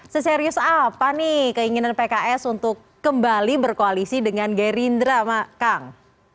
seserius apa nih keinginan pks untuk kembali berkoalisi dengan gerindra kang